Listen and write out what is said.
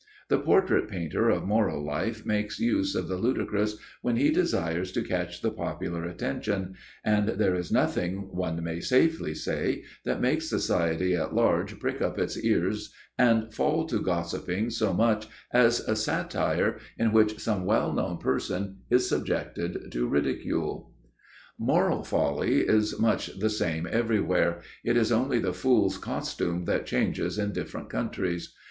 The portrait painter of moral life makes use of the ludicrous when he desires to catch the popular attention, and there is nothing, one may safely say, that makes society at large prick up its ears and fall to gossiping so much as a satire in which some well known person is subjected to ridicule. [Sidenote: Moral Folly] Moral folly is much the same everywhere; it is only the fool's costume that changes in different countries.